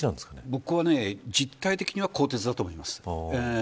僕は実体的には更迭だと思います。